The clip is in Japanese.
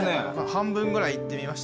半分ぐらいいってみました。